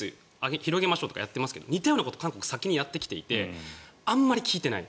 広げましょうってやってますけど似たようなことを韓国は先にやってきていてあまり効いていない。